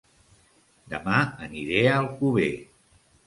Dema aniré a Alcover